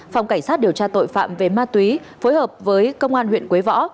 phòng cảnh sát điều tra tội phạm về ma túy phối hợp với công an huyện quế võ